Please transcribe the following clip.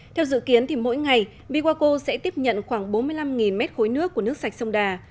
theo dự kiến thì mỗi ngày vywaco sẽ tiếp nhận khoảng bốn mươi năm mét khối nước của nước sạch sông đà